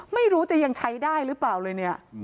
ไม่รู้จะยังใช้ได้หรือเปล่าเลยเนี่ย